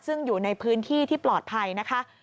ซึ่งอยู่ในพื้นที่ที่ปลอดภัยนะคะ